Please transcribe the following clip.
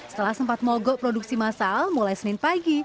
setelah sempat mogok produksi masal mulai senin pagi